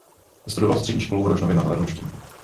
Vystudoval střední školu v Rožnově pod Radhoštěm.